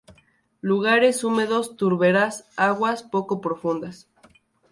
Lugares húmedos, turberas, aguas poco profundas.